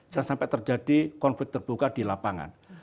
jangan sampai terjadi konflik terbuka di lapangan